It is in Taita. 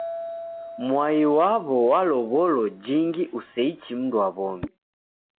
Mwai waw'o walow'olo jingi useichi mndu wa w'omi.